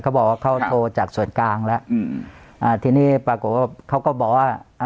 เขาบอกว่าเขาโทรจากส่วนกลางแล้วอืมอ่าทีนี้ปรากฏว่าเขาก็บอกว่าอ่า